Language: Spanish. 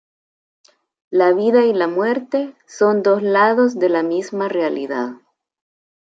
La vida y la muerte son dos lados de la misma realidad.